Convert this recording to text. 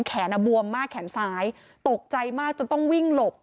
บวมมากแขนซ้ายตกใจมากจนต้องวิ่งหลบ